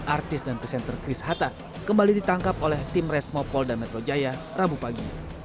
artis dan presenter chris hatta kembali ditangkap oleh tim resmo polda metro jaya rabu pagi